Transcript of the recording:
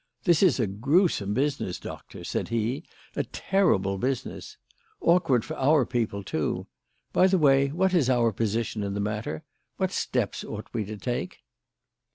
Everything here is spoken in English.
"This is a gruesome business, Doctor," said he. "A terrible business. Awkward for our people, too. By the way, what is our position in the matter? What steps ought we to take?"